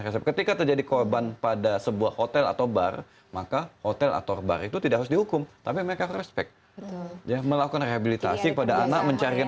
respect itu tidak dihukum tapi warto respect ya melakukan rehabilitasi kepada anak mencarikan